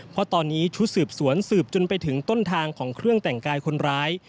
เพราะตอนนี้ชุดสืบสวนสืบจนไปถึงต้นทางของเครื่องแต่งกายคนร้าย